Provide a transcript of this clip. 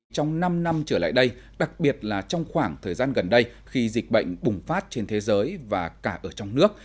trong năm năm trở lại đây đặc biệt là trong khoảng thời gian gần đây khi dịch bệnh bùng phát trên thế giới và cả ở trong nước